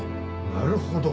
なるほど。